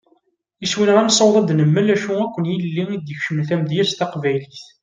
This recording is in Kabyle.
Iswi-nneɣ ad nessaweḍ ad d-nemmel acu akk n yilelli i d-ikecmen tamedyazt taqbaylit.